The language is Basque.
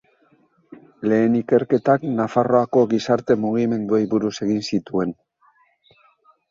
Lehen ikerketak Nafarroako gizarte mugimenduei buruz egin zituen.